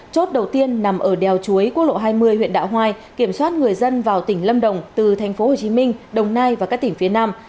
chốt đầu tiên nằm ở đèo chuối quốc lộ hai mươi huyện đạo hoai kiểm soát người dân vào tỉnh lâm đồng từ tp hcm đồng nai và các tỉnh phía nam